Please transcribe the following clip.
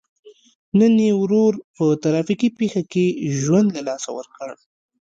نن یې ورور په ترافیکي پېښه کې ژوند له لاسه ورکړی.